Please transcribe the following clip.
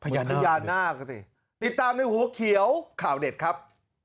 พญานาคก็สิติดตามในหัวเขียวข่าวเด็ดครับ